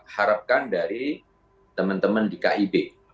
harapkan dari teman teman di kib